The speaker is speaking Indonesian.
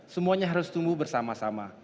semuanya harus tunggu bersama sama